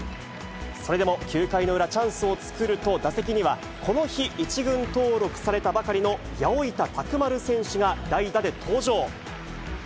それでも９回の裏、チャンスを作ると、打席には、この日１軍登録されたばかりの八百板卓丸選手が代打で登場。